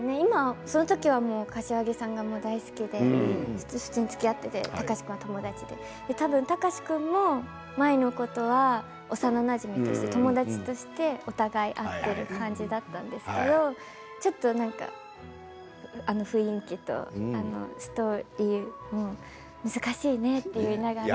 その時は柏木さんが大好きで普通につきあっていて貴司君は友達で多分、貴司君も舞のことは幼なじみとして友達としてお互いいる感じだったんですけれどちょっとあの雰囲気とストーリーも難しいねって言いながら。